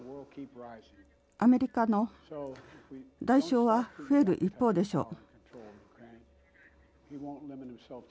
アメリカの代償は増える一方でしょう。